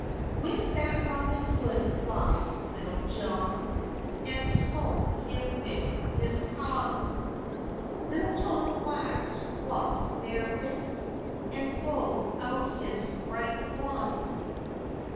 With that Robyn Hode lyed Litul Jone, And smote him with his honde; Litul John waxed wroth therwith, And pulled out his bright bronde.